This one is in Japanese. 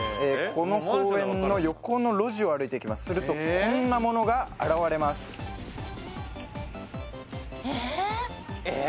この公園の横の路地を歩いていきますするとこんなものが現れますええええ